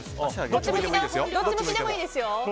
どっち向きでもいいですよ。